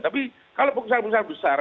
tapi kalau perusahaan perusahaan besar